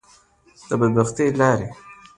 د بدبختی لارې.